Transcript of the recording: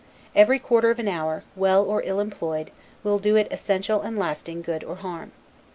Every quarter of an hour, well or ill employed, will do it essential and lasting good or harm.